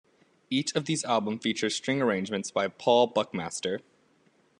Each of these albums features string arrangements by Paul Buckmaster.